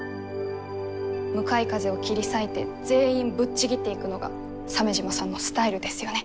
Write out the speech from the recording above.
向かい風を切り裂いて全員ぶっちぎっていくのが鮫島さんのスタイルですよね？